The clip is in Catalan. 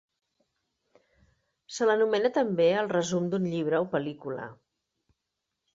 Se l'anomena també al resum d'un llibre o pel·lícula.